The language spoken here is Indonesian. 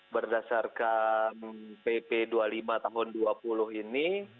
berdasarkan pp dua puluh lima tahun dua puluh ini